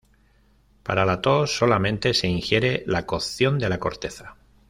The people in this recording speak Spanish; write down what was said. Para la tos, solamente se ingiere la cocción de la corteza.